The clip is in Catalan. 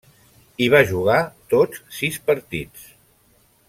Hi va jugar tots sis partits.